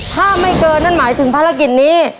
ถ้าไม่เกินนั่นหมายถึงภารกิจนี้